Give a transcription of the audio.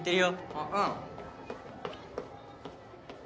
あっうん莇！